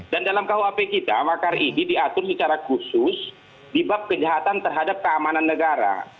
dan dalam kuap kita makar ini diatur secara khusus di bab kejahatan terhadap keamanan negara